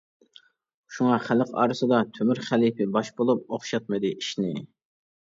شۇڭا خەلق ئارىسىدا: تۆمۈر خەلپە باش بولۇپ، ئوخشاتمىدى ئىشىنى.